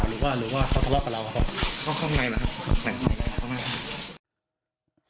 หรือว่าหรือว่าเขาทะเลาะกับเราครับเข้าข้างในหรอครับ